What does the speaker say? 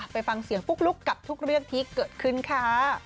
ไปฟังเสียงปุ๊กลุ๊กกับทุกเรื่องที่เกิดขึ้นค่ะ